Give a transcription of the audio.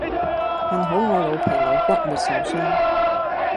幸好我老皮老骨沒受傷